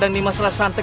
dan di masalah satan